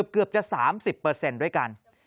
เกือบจะ๓๐ด้วยกัน